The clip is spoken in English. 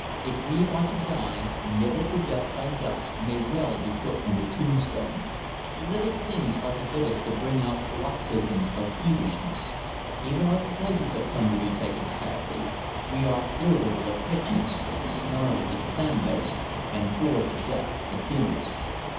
If we are to die, "Nibbled to Death by Ducks" may well be put on the tombstone. Little things are permitted to bring about paroxysms of peevishness. Even our pleasures have come to be taken sadly. We are irritable at picnics, snarly at clambakes, and bored to death at dinners.